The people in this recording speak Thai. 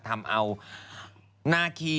ทำเอานาคี